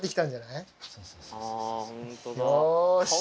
よし！